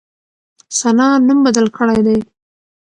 ثنا نوم بدل کړی دی.